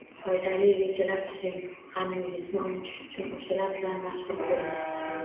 Foydali rejalar tuzing, g‘amingizni unutish uchun o‘shalar bilan mashg‘ul bo‘ling.